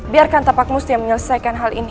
biarkan tapakmu setia menyelesaikan hal ini